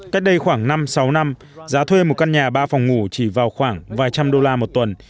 cách đây khoảng năm sáu năm giá thuê một căn nhà ba phòng ngủ chỉ vào khoảng vài trăm đô la một tuần